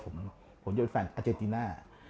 ผมจะเป็นแฟนอาเจติน่า